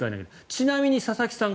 ちなみに佐々木さん